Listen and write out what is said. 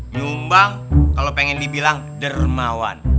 nyumbang kalau pengen dibilang dermawan